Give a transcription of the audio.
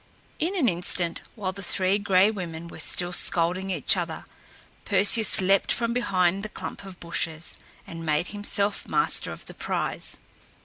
In an instant, while the Three Gray Women were still scolding each other, Perseus leaped from behind the clump of bushes and made himself master of the prize.